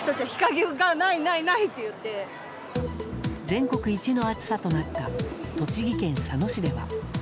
全国一の暑さとなった栃木県佐野市では。